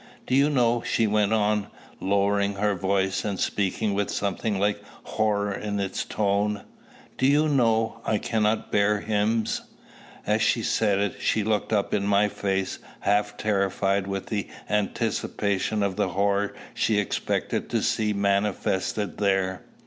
Do you know," she went on, lowering her voice, and speaking with something like horror in its tone, "Do you know, I cannot bear hymns!" As she said it, she looked up in my face half terrified with the anticipation of the horror she expected to see manifested there.